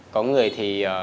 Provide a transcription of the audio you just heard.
có người thì